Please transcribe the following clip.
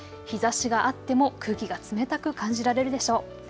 日ざしがあっても空気が冷たく感じられるでしょう。